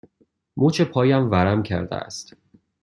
مچ پایم ورم کرده است.